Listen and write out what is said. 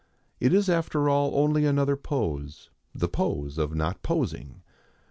It is after all only another pose the pose of not posing.